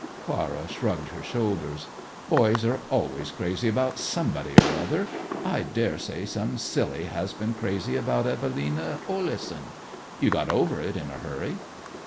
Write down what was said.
Clara shrugged her shoulders. "Boys are always crazy about somebody or other. I dare say some silly has been crazy about Evelina Oleson. You got over it in a hurry."